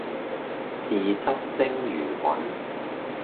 豉汁蒸魚雲